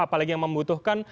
apalagi yang membutuhkan